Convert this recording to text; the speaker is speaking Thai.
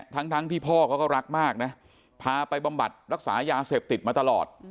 ทั้งที่พ่อเขาก็รักมากนะพาไปบำบัดรักษายาเสพติดมาตลอด